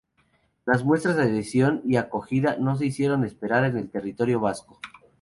Las muestras de adhesión y acogida no se hicieron esperar en el territorio vasco.